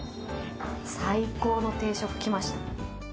最高の定食来ました。